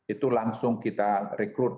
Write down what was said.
itu langsung kita rekrut